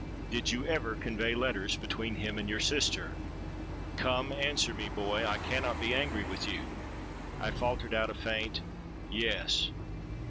did you ever convey letters between him and your sister? Come, answer me, my boy: I cannot be angry with you.'—I faltered out a faint 'Yes.'